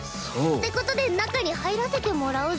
ってことで中に入らせてもらうっス。